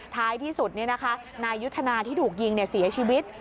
ท้ายที่สุดนายยุทธนาที่ถูกยิงเสียชีวิต